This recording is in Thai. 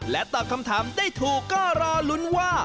ตอบคำถามได้ถูกก็รอลุ้นว่า